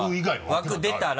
枠出たら。